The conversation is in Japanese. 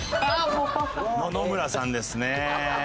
野々村さんですね。